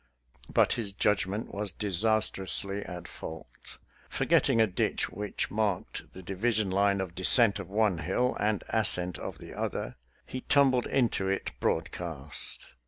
But his judgment was disastrously at fault. Forgetting a ditch which marked the division line of descent of one hill and ascent of the other, he tumbled into it broadcast.